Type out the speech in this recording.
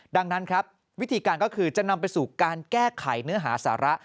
ดังนั้นครับวิธีการก็คือจะนำไปสู่การแก้ไขเนื้อหาสาระ